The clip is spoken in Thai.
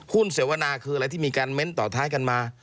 เสวนาคืออะไรที่มีการเม้นต่อท้ายกันมา